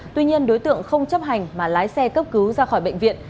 tuy nhiên đối tượng không chấp hành mà lái xe cấp cứu ra khỏi bệnh viện